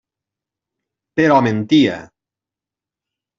Però mentia.